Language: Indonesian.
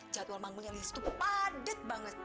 jadwal mampunya lilis itu padat banget